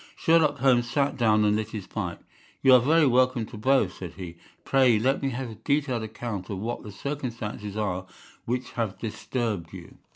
Sherlock Holmes sat down and lit his pipe. "You are very welcome to both," said he. "Pray let me have a detailed account of what the circumstances are which have disturbed you."